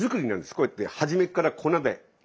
こうやって初めから粉で練るんです。